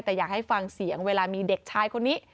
แต่อยากให้ฟังเสียงเวลามีเด็กชายคนนี้